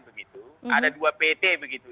begitu ada dua pt begitu